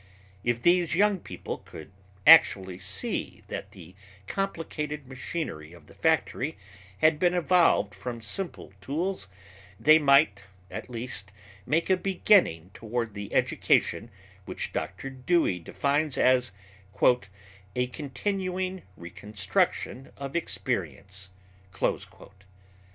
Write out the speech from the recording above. If these young people could actually see that the complicated machinery of the factory had been evolved from simple tools, they might at least make a beginning toward that education which Dr. Dewey defines as "a continuing reconstruction of experience."